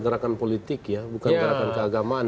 gerakan politik ya bukan gerakan keagamaan